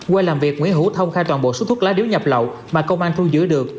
qua làm việc nguyễn hữu thông khai toàn bộ số thuốc lá điếu nhập lậu mà công an thu giữ được